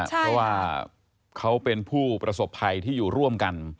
เพราะว่าเขาเป็นผู้ประสบภัยที่อยู่ร่วมกัน